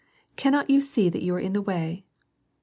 Cannot you see that you are in the way ?